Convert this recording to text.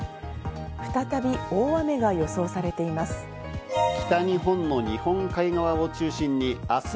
再び大雨が予想されています。